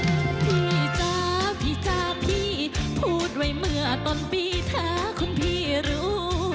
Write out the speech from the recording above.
พี่จ๊ะพี่จ้าพี่พูดไว้เมื่อต้นปีถ้าคุณพี่รู้